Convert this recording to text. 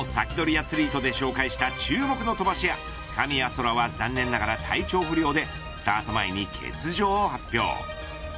アツリートで紹介した注目の飛ばし屋神谷そらは残念ながら体調不良でスタート前に欠場を発表。